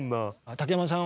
竹山さん